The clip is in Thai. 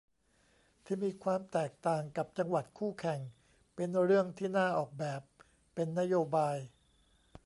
ที่มีความต่างกับจังหวัดคู่แข่งเป็นเรื่องที่น่าออกแบบเป็นนโยบาย